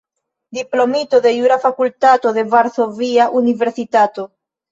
Diplomito de Jura Fakultato de Varsovia Universitato.